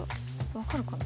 分かるかな？